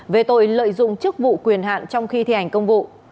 về tội lợi dụng chức vụ quyền hạn trong khi thi hành công vụ